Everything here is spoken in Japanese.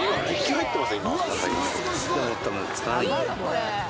入ってます。